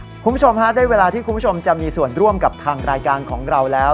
คุณผู้ชมฮะได้เวลาที่คุณผู้ชมจะมีส่วนร่วมกับทางรายการของเราแล้ว